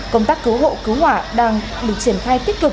công tác cứu hộ cứu hỏa đang được triển khai tích cực